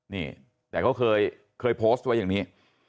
นี่แต่เขาเคยโพสต์ไว้อย่างนี้